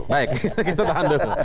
baik kita tahan dulu